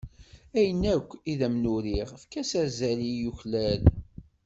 Ayen akk i d am-n-uriɣ efk-as azal i yuklal.